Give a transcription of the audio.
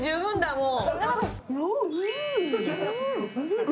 もう。